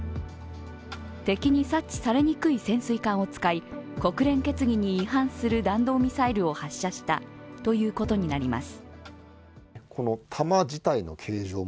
敵に察知されにくい潜水艦を使い、国連決議に違反する弾道ミサイルを発射したということになります。